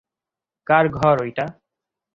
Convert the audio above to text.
কার ঘর এটা?